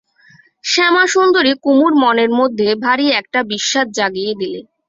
শ্যামাসুন্দরী কুমুর মনের মধ্যে ভারি একটা বিস্বাদ জাগিয়ে দিলে।